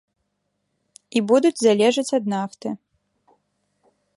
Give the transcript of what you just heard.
І будуць залежаць ад нафты.